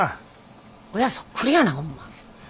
親そっくりやなホンマ。